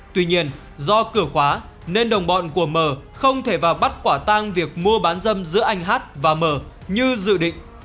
tuy nhiên do cửa khóa nên đồng bọn của m không thể vào bắt quả tang việc mua bán dâm giữa anh h và m như dự định